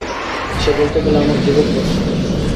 সে বলতে গেলে আমার যুবক ভার্সন।